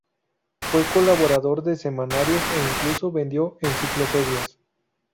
Fue colaborador de semanarios e incluso vendió enciclopedias.